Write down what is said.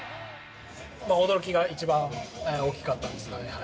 驚きが一番大きかったですかね。